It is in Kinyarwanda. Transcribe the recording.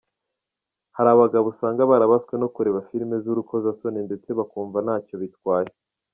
Hari abagabo usanga barabaswe no kureba filime z’urukozasoni ndetse bakumva ntacyo bitwaye.